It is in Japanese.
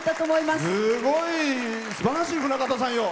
すごいすばらしい「船方さんよ」。